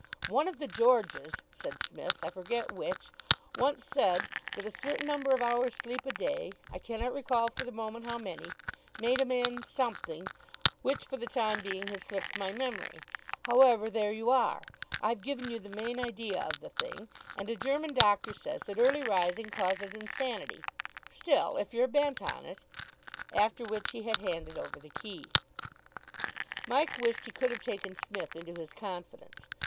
"One of the Georges," said Psmith, "I forget which, once said that a certain number of hours' sleep a day I cannot recall for the moment how many made a man something, which for the time being has slipped my memory. However, there you are. I've given you the main idea of the thing; and a German doctor says that early rising causes insanity. Still, if you're bent on it " After which he had handed over the key. Mike wished he could have taken Psmith into his confidence.